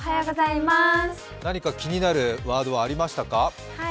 何か気になるワードはありましたか？